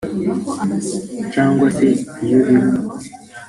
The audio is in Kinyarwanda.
cyangwa se “iyo bigwa”